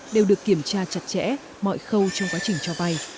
đều được kiểm tra chặt chẽ mọi khâu trong quá trình cho vay